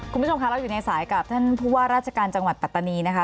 คุณผู้ชมค่ะเราอยู่ในสายกับท่านผู้ว่าราชการจังหวัดปัตตานีนะคะ